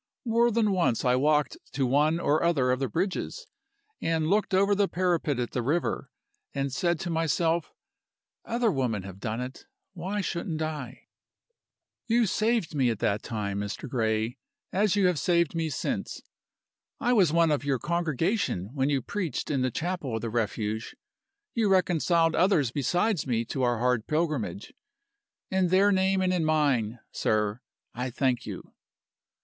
More than once I walked to one or other of the bridges, and looked over the parapet at the river, and said to myself 'Other women have done it: why shouldn't I?' "You saved me at that time, Mr. Gray as you have saved me since. I was one of your congregation when you preached in the chapel of the Refuge You reconciled others besides me to our hard pilgrimage. In their name and in mine, sir, I thank you.